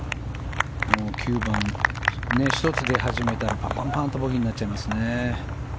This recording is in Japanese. ９番、１つ出始めたらパンパンとボギーになっちゃいますね。